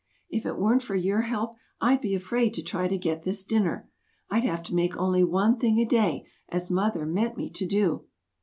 If it weren't for your help, I'd be afraid to try to get this dinner. I'd have to make only one thing a day, as Mother meant me to do."